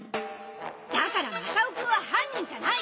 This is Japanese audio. だからマサオくんは犯人じゃない！